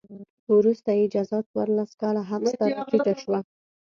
وروسته یې جزا څوارلس کاله حبس ته راټیټه شوه.